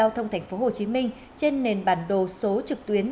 cổng thông tin giao thông tp hcm trên nền bản đồ số trực tuyến